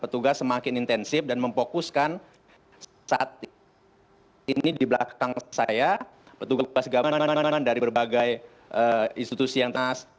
petugas semakin intensif dan memfokuskan saat ini di belakang saya petugas gabungan dari berbagai institusi yang taas